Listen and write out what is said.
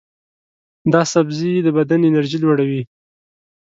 دا سبزی د بدن انرژي لوړوي.